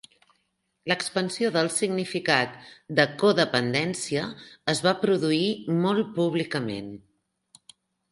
L'expansió del significat de codependència es va produir molt públicament.